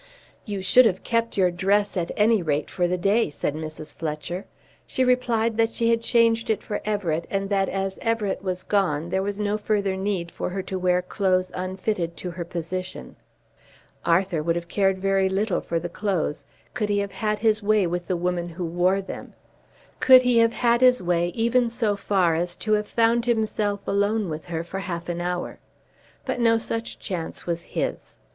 "You should have kept your dress at any rate for the day," said Mrs. Fletcher. She replied that she had changed it for Everett, and that as Everett was gone there was no further need for her to wear clothes unfitted to her position. Arthur would have cared very little for the clothes could he have had his way with the woman who wore them, could he have had his way even so far as to have found himself alone with her for half an hour. But no such chance was his.